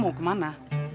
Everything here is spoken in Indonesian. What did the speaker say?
ibu dari mana